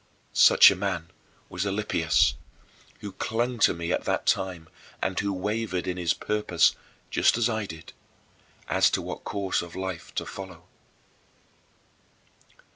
" Such a man was Alypius, who clung to me at that time and who wavered in his purpose, just as I did, as to what course of life to follow.